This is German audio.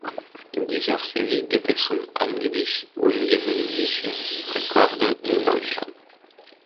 In dieser Serie geht es um angeblich „ungewöhnliche“ Rekorde in Deutschland.